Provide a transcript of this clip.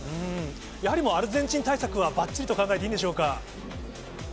やはりもうアルゼンチン対策はばっちりと考えていいんでしょうか。